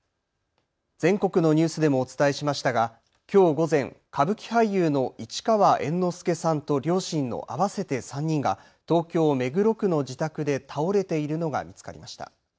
全国のニュースでもお伝えしましたがきょう午前、歌舞伎俳優の市川猿之助さんと両親の合わせて３人が東京目黒区の自宅で倒れているのが見つかりました。